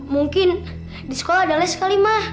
mungkin di sekolah ada les kali mah